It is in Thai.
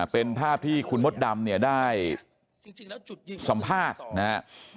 เป็นภาพที่คุณมดดำเนี่ยได้สัมภาษณ์นะครับ